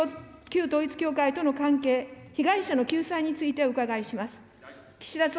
次に、旧統一教会との関係、被害者の救済についてお伺いします。